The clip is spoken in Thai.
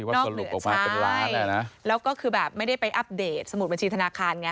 ไล่แล้วก็คือแบบไม่ได้ไปอัปเดตสมุดบัญชีธนาคารไง